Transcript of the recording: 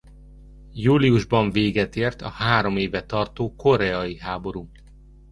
Júliusban véget ért a három éve tartó koreai háború.